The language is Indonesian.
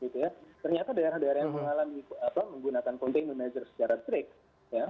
ternyata daerah daerah yang mengalami atau menggunakan containment measures secara strict